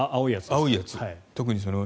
青いやつ。